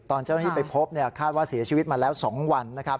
ตอนเจ้านี่ไปพบคาดว่าสีชีวิตมาแล้ว๒วัน